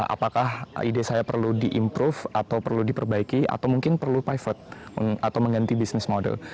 apakah ide saya perlu di improve atau perlu diperbaiki atau mungkin perlu pivot atau mengganti bisnis model